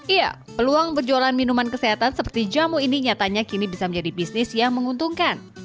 iya peluang berjualan minuman kesehatan seperti jamu ini nyatanya kini bisa menjadi bisnis yang menguntungkan